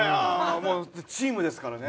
もうチームですからね。